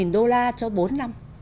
năm mươi đô la cho bốn năm